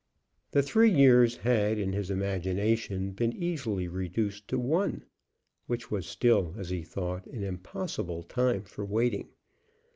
The three years had in his imagination been easily reduced to one, which was still, as he thought, an impossible time for waiting.